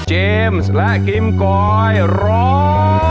เจมส์และกิมกรอยร้อง